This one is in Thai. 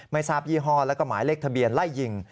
ไม่ทราบยี่ห้อแล้วก็หมายเลขทะเบียนไล่ยิง